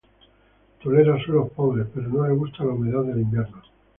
Tolera suelos pobres, pero no le gusta la humedad del invierno.